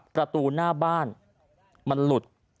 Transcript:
ประตูหน้าบ้านมันหลุด